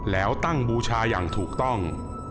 แล้วตั้งบูชาอย่างถูกต้อง